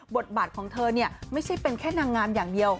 บทบาทของเธอเนี่ยไม่ใช่เป็นแค่นางงามอย่างเดียว